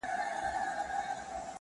د نوم له سيـتاره دى لـوېـدلى.